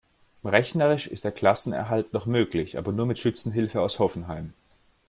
Rechnerisch ist der Klassenerhalt noch möglich, aber nur mit Schützenhilfe aus Hoffenheim.